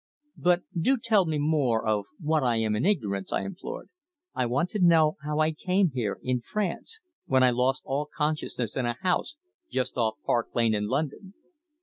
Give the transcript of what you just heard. "But do tell me more of what I am in ignorance," I implored. "I want to know how I came here in France when I lost all consciousness in a house just off Park Lane, in London."